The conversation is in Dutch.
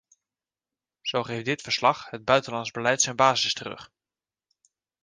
Zo geeft dit verslag het buitenlands beleid zijn basis terug.